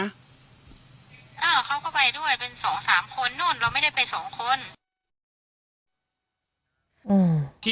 เขาก็ไปด้วยเป็นสองสามคนนู่นเราไม่ได้ไปสองคน